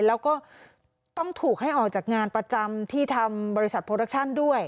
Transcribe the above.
แล้วก็ต้องถูกให้ออกจากงานประจำที่ทำบริษัทโปรดักชั่นด้วย